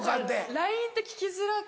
ＬＩＮＥって聞きづらく。